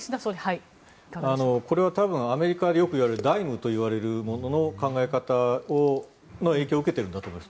これはよくアメリカで言われるＤＩＭＥと呼ばれるものの考え方の影響を受けているんだと思います。